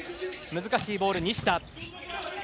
難しいボール、西田。